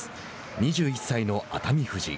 ２１歳の熱海富士。